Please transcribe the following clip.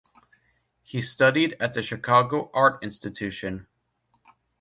He studied at the Chicago Art Institute.